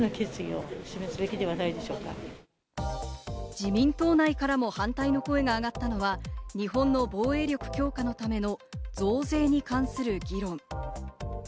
自民党内からも反対の声があがったのは日本の防衛力強化のための増税に関する議論。